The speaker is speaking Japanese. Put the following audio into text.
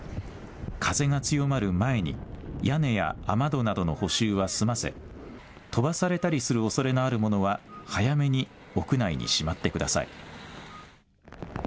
風が強まる前に屋根や雨戸などの補修は済ませ、飛ばされたりするおそれのあるものは早めに屋内にしまってください。